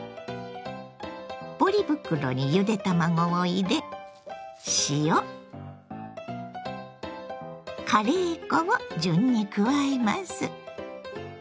ポリ袋にゆで卵を入れ塩カレー粉を順に加えます。